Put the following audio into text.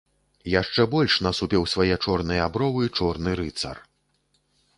Яшчэ больш насупіў свае чорныя бровы чорны рыцар.